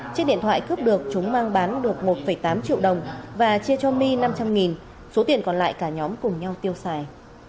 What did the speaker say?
chiếc điện thoại cướp được chúng mang bán được một tám triệu đồng và chia cho my năm trăm linh số tiền còn lại cả nhóm cùng nhau tiêu xài